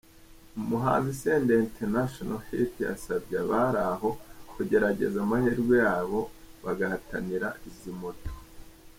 Umuhanzi Senderi International Hit yasabye abari aho kugerageza amahirwe yabo bagahatanira izi moto.